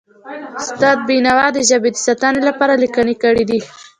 استاد بینوا د ژبې د ساتنې لپاره لیکنې کړی دي.